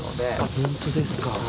本当ですか。